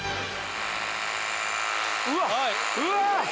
うわっうわ！